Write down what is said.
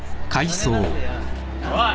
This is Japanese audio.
おい。